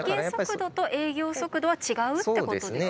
実験速度と営業速度は違うってことですね。